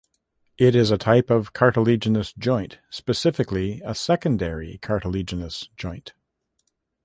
It is a type of cartilaginous joint, specifically a secondary cartilaginous joint.